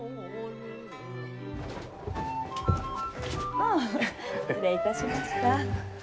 ああ失礼いたしました。